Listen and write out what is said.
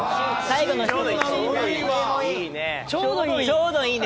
ちょうどいい。